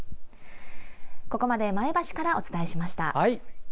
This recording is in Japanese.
ここまで前橋からお伝えしました。